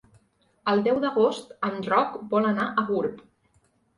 El deu d'agost en Roc vol anar a Gurb.